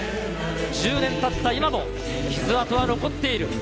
１０年たった今も、傷痕は残っている。